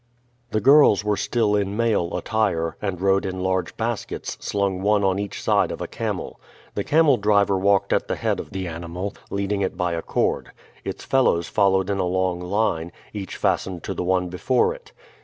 The girls were still in male attire, and rode in large baskets, slung one on each side of a camel. The camel driver walked at the head of the animal, leading it by a cord. Its fellows followed in a long line, each fastened to the one before it.